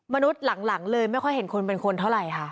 มนุษย์หลังเลยไม่ค่อยเห็นคนเป็นคนเท่าไหร่ค่ะ